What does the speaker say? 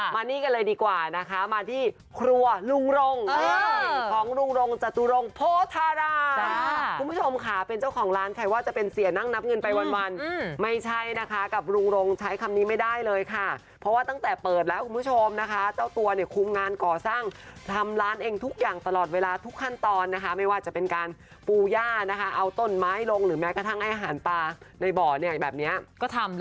มานี่กันเลยดีกว่านะคะมาที่ครัวรุงรงค์ของรุงรงค์จตุรงค์โพธาราคุณผู้ชมค่ะเป็นเจ้าของร้านใครว่าจะเป็นเสียนั่งนับเงินไปวันไม่ใช่นะคะกับรุงรงค์ใช้คำนี้ไม่ได้เลยค่ะเพราะว่าตั้งแต่เปิดแล้วคุณผู้ชมนะคะเจ้าตัวเนี่ยคุ้มงานก่อสร้างทำร้านเองทุกอย่างตลอดเวลาทุกขั้นตอนนะคะไม่ว่าจะเป็นการปูย่านะคะ